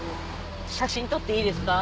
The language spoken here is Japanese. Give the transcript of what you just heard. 写真撮っていいですか？